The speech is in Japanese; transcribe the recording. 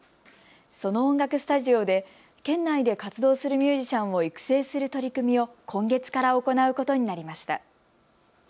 その音楽スタジオで県内で活動するミュージシャンを育成する取り組みを今月から行うことになりました。